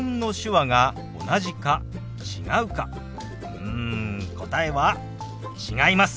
うん答えは違います。